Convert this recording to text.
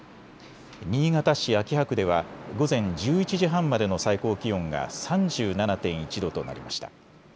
新潟市秋葉区では午前１１時半までの最高気温が３７．１度となりました。